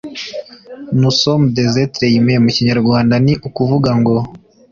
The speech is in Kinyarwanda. nous sommes des être humains » Mu Kinyarwanda ni ukuvuga ngo